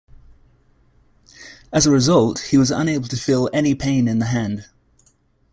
As a result, he was unable to feel any pain in the hand.